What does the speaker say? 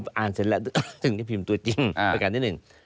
อ่านเสร็จแล้วถึงที่พิมพ์ตัวจริงประการที่หนึ่ง